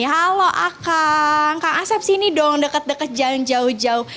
halo kak asep sini dong dekat dekat jangan jauh jauh